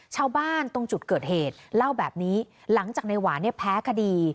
ตรงจุดเกิดเหตุเล่าแบบนี้หลังจากในหวานเนี่ยแพ้คดี